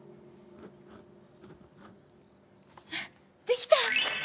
できた！